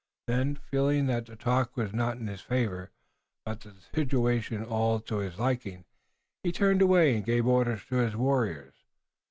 Then, feeling that the talk was not in his favor, but that the situation was all to his liking, he turned away and gave orders to his warriors.